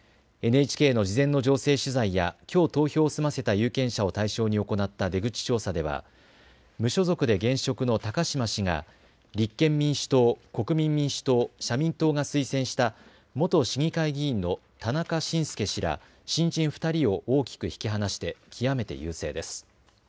ＮＨＫの事前の情勢取材やきょう投票を済ませた有権者を対象に行った出口調査では、無所属で現職の高島氏が立憲民主党、国民民主党、社民党が推薦した元市議会議員の田中慎介氏ら新人２人を大きく引き離して極めて優勢です。